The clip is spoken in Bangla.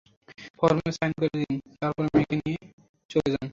ফর্মে সাইন করে দিন, তারপর মেয়েকে নিয়ে চলে যান।